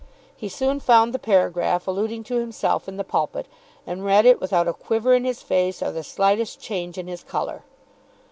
He soon found the paragraph alluding to himself in the "Pulpit," and read it without a quiver in his face or the slightest change in his colour.